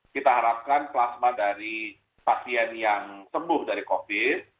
kita harapkan plasma dari pasien yang sembuh dari covid